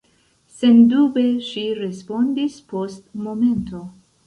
Sendube, ŝi respondis post momento.